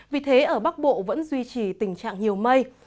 vì thế ở bắc bộ vẫn duy trì tình trạng nhiều mây